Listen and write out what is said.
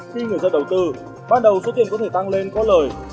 khi người dân đầu tư ban đầu số tiền có thể tăng lên có lời